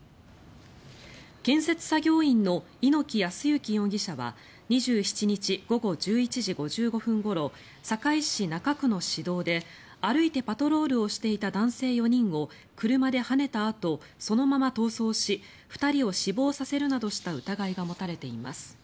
建設作業員の猪木康之容疑者は２７日午後１１時５５分ごろ堺市中区の市道で歩いてパトロールをしていた男性４人を車ではねたあとそのまま逃走し２人を死亡させるなどした疑いが持たれています。